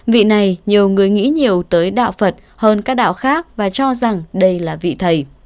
vị này nhiều người nghĩ nhiều tới đạo phật hơn các đạo khác và cho rằng đây là vị thầy